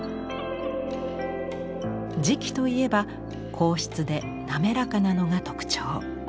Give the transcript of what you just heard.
磁器といえば硬質で滑らかなのが特徴。